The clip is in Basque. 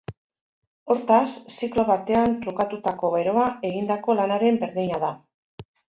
Hortaz, ziklo batean trukatutako beroa, egindako lanaren berdina da.